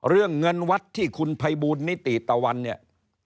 เรื่องเงินวัดที่คุณภัยบูลนิติตะวันเนี่ย